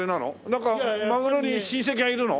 なんかまぐろに親戚がいるの？